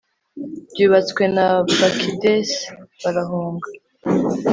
byubatswe na bakidesi barahunga